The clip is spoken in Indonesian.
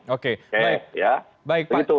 oke baik pak